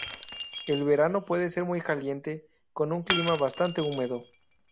El verano puede ser muy caliente, con un clima bastante húmedo.